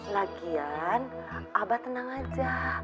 lagian abah tenang aja